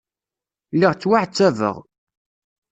Lliɣ ttwaɛettabeɣ.